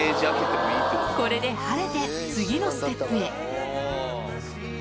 これで晴れて、次のステップへ。